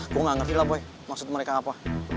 gua ga ngerti lah boy maksud mereka apa